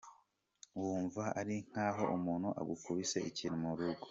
"Wumva ari nkaho umuntu agukubise ikintu mu irugu.